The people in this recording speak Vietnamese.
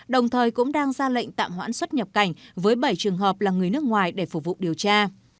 đồng thời cũng đang ra lệnh tạm hoãn xuất nhập cảnh với bảy trường hợp là người nước ngoài để phục vụ điều tra